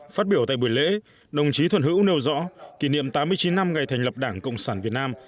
phát biểu tại buổi lễ đồng chí thuận hữu nêu rõ kỷ niệm tám mươi chín năm ngày thành lập đảng cộng sản việt nam